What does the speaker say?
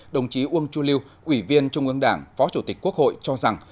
đồng chí uông chu lưu ủy viên trung ương đảng phó chủ tịch quốc hội cho rằng